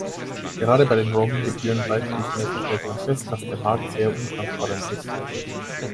Gerade bei den Roaming-Gebühren beispielsweise stellt man fest, dass der Markt sehr untransparent ist.